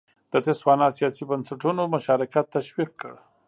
د تسوانا سیاسي بنسټونو مشارکت تشویق کړ.